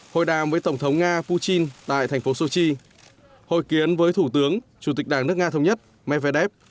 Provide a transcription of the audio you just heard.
hội đàm với tổng thống nga putin tại thành phố sochi hội kiến với thủ tướng chủ tịch đảng nước nga thống nhất medvedev